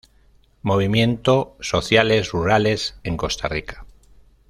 Movimiento sociales rurales en Costa Rica.".